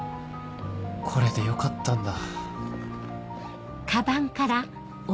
これでよかったんだ